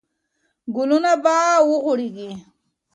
ګلونه به وغوړېږي.